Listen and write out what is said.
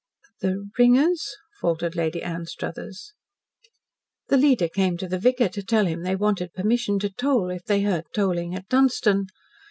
"The ringers?" faltered Lady Anstruthers "The leader came to the vicar to tell him they wanted permission to toll if they heard tolling at Dunstan.